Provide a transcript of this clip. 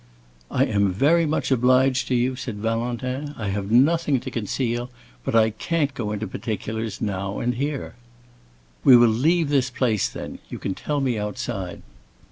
"I am very much obliged to you," said Valentin. "I have nothing to conceal, but I can't go into particulars now and here." "We will leave this place, then. You can tell me outside."